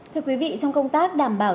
thưa quý vị trong công tác đảm bảo